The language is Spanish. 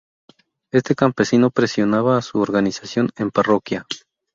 Este campesinado presionaba a su organización en parroquia.